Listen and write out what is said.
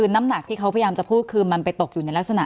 นะระบุออกมา